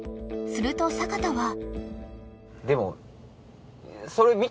［すると阪田は］